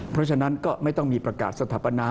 เพราะฉะนั้นก็ไม่ต้องมีประกาศสถาปนา